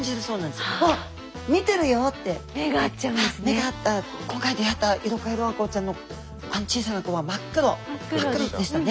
目が合った今回出会ったイロカエルアンコウちゃんの小さな子は真っ黒真っ黒でしたね。